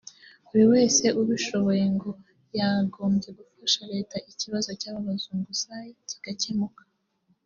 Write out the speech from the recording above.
Buri wese ubishoboye ngo yagombye gufasha leta ikibazo cy’abo bazunguzayi kigakemuka